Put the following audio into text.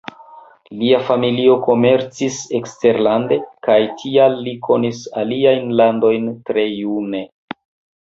Lia familio komercis eksterlande, kaj tial li konis aliajn landojn tre june.